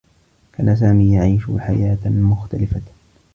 كان سامي يعيش حياة مختلفة.